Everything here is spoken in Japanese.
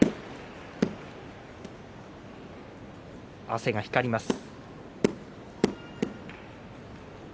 汗が光ります。